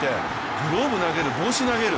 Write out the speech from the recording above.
グローブ投げる、帽子投げる。